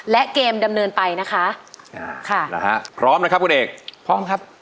และเกมดำเนินไปนะคะค่ะนะฮะพร้อมนะครับคุณเอกพร้อมครับ